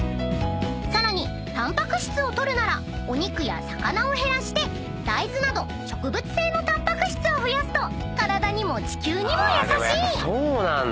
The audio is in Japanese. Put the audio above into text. ［さらにタンパク質を取るならお肉や魚を減らして大豆など植物性のタンパク質を増やすと体にも地球にも優しい］